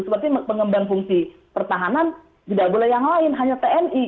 seperti pengembang fungsi pertahanan tidak boleh yang lain hanya tni